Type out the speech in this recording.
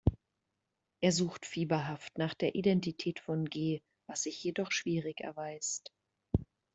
Er sucht fieberhaft nach der Identität von G, was sich jedoch schwierig erweist.